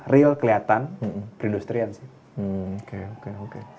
real keliatan perindustrian sih